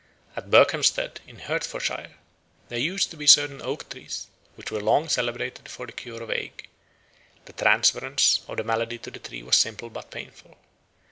At Berkhampstead, in Hertfordshire, there used to be certain oak trees which were long celebrated for the cure of ague. The transference of the malady to the tree was simple but painful.